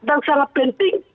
dan sangat penting